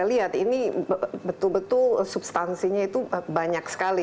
saya lihat ini betul betul substansinya itu banyak sekali